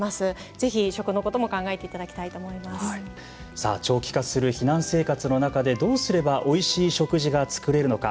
ぜひ食のことも長期化する避難生活の中でどうすればおいしい食事が作れるのか。